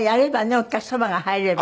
お客様が入ればね。